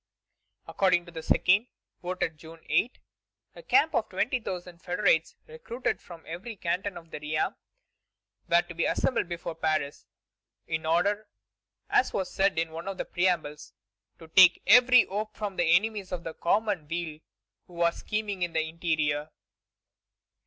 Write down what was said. According to the second, voted June 8, a camp of twenty thousand federates, recruited from every canton of the realm, were to be assembled before Paris, in order, as was said in one of the preambles, "to take every hope from the enemies of the common weal who are scheming in the interior."